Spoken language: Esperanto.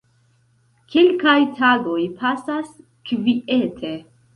Kelkaj tagoj pasas kviete.